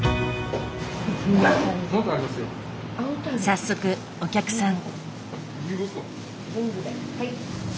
早速お客さん。